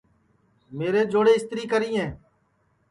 میرے چوڑے اِستری کریں